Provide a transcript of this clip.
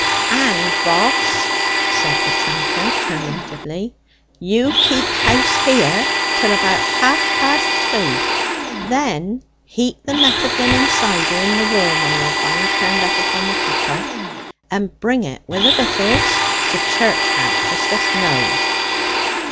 "And, Voss," said the tranter terminatively, "you keep house here till about half past two; then heat the metheglin and cider in the warmer you'll find turned up upon the copper; and bring it wi' the victuals to church hatch, as th'st know."